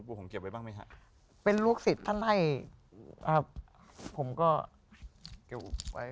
โอ้คุณเยอะเหมือนกันนะ